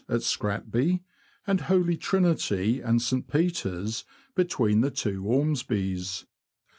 117 at Scratby, and Holy Trinity and St. Peter's, between the two Ormsbys.